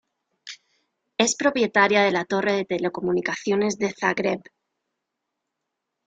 Es propietaria de la torre de telecomunicaciones de Zagreb.